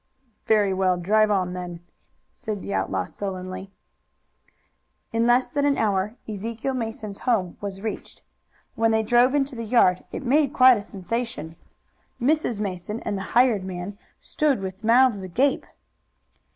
"Very well; drive on then," said the outlaw sullenly. In less than an hour Ezekiel Mason's home was reached. When they drove into the yard it made quite a sensation. Mrs. Mason and the hired man stood with mouths agape.